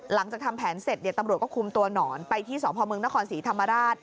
หลังจากทำแผนเสร็จตำรวจก็คุมตัวหนอนไปที่สพมนครศรีธรรมราช